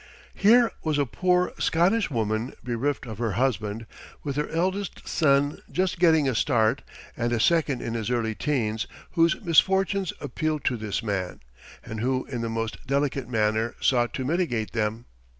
Here was a poor Scottish woman bereft of her husband, with her eldest son just getting a start and a second in his early teens, whose misfortunes appealed to this man, and who in the most delicate manner sought to mitigate them.